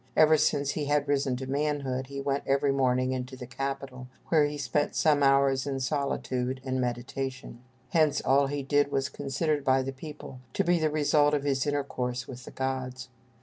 Ever since he had risen to manhood, he went every morning into the Capitol, where he spent some hours in solitude and meditation. Hence all he did was considered by the people to be the result of his intercourse with the gods.